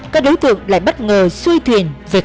các đối tượng lại bất ngờ xuôi thuyền về các bè tỉnh tiền giang